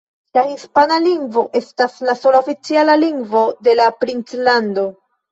La hispana lingvo estas la sola oficiala lingvo de la Princlando.